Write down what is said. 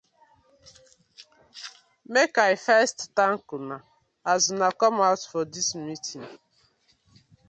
Mak I first thank una as una come out for di meeting.